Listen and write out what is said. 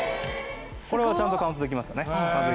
これはちゃんとカウントできますよね？